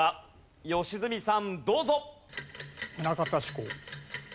良純さんどうぞ。